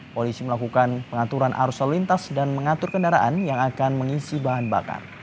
polisi melakukan pengaturan arus lalu lintas dan mengatur kendaraan yang akan mengisi bahan bakar